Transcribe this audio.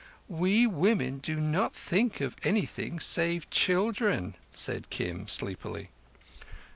'We women' do not think of anything save children," said Kim sleepily.